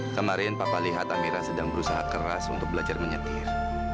kemarin papa lihat amira sedang berusaha keras untuk belajar menyetir